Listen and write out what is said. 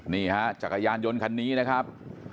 นี่ฮะจักรยานยนต์คันนี้นะครับ